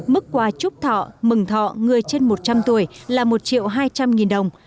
mức quà chúc thọ mừng thọ người trên một trăm linh tuổi là một triệu hai trăm linh đồng